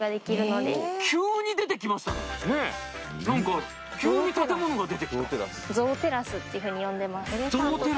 何か急に建物が出てきたゾウテラスっていうふうに呼んでます